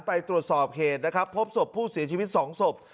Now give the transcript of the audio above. ไปตรวจสอบเหตุนะครับพบศพผู้เสียชีวิตสองศพ